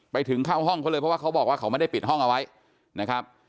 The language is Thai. ไปถึงเข้าห้องเขาเลยเพราะว่าเขาบอกว่าเขาไม่ได้ปิดห้องเอาไว้นะครับ